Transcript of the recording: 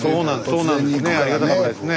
ねありがたかったですね。